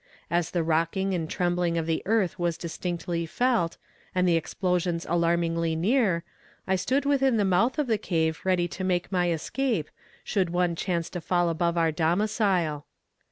As the rocking and trembling of the earth was distinctly felt, and the explosions alarmingly near, I stood within the mouth of the cave ready to make my escape, should one chance to fall above our domicile.